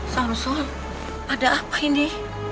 sapsul ada apa ini